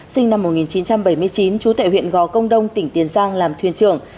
sinh năm một nghìn chín trăm bảy mươi chín trú tại huyện gò công đông tỉnh tiền giang làm thuyền trưởng